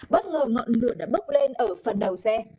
bất ngờ ngọn ngựa đã bấp lên ở phần đầu xe